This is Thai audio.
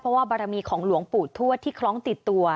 เพราะว่าบารมีของหลวงปู่ทวดที่คล้องติดตัว